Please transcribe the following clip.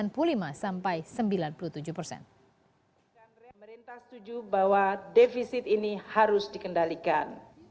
pemerintah setuju bahwa defisit ini harus dikendalikan